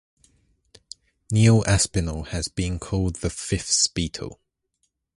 Neil Aspinall has been called the fifth Beatle.